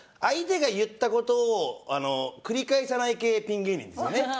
相手が言った事を繰り返さない系ピン芸人ですよね。